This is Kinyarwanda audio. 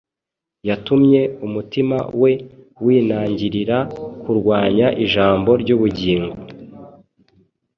yatumye umutima we winangirira kurwanya ijambo ry’ubugingo